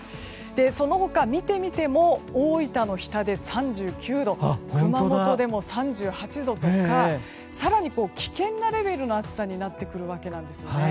その他、見てみても大分の日田で３９とか熊本でも３８度とか更に危険なレベルの暑さになってくるわけなんですね。